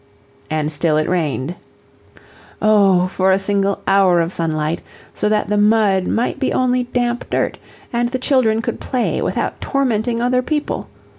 And still it rained. Oh, for a single hour of sunlight, so that the mud might be only damp dirt, and the children could play without tormenting other people!